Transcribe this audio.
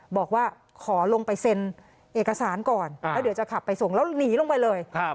บอกว่าขอลงไปเซ็นเอกสารก่อนแล้วเดี๋ยวจะขับไปส่งแล้วหนีลงไปเลย